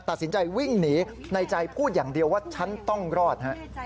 ตัดสินใจวิ่งหนีในใจพูดอย่างเดียวว่าฉันต้องรอดฮะ